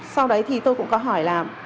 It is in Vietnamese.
sau đấy thì tôi cũng có hỏi là